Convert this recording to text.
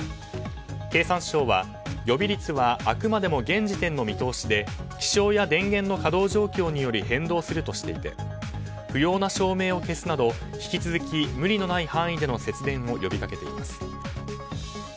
経産省は、予備率はあくまでも現時点の見通しで気象や電源の稼働状況によって変動するとしていて不要な照明を消すなど引き続き無理のない範囲での節電を呼びかけています。